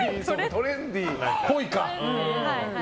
トレンディーっぽいか。